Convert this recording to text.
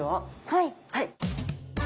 はい。